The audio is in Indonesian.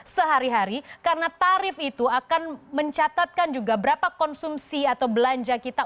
sehari hari karena tarif itu akan mencatatkan juga berapa konsumsi atau belanja kita